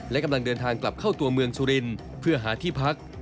และกำลังเดินทางกลับเข้าตัวเมืองสุรินทร์เพื่อหาที่พัก